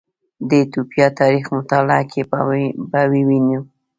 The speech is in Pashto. د ایتوپیا تاریخ مطالعه کې به ووینو